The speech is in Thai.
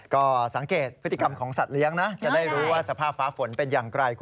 ก็สังเกตพฤติกรรมของสัตว์เลี้ยงนะจะได้รู้ว่าสภาพฟ้าฝนเป็นอย่างไร